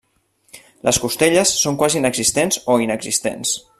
Les costelles són quasi inexistents o inexistents.